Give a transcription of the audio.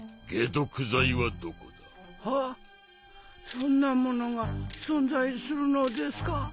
そんなものが存在するのですか？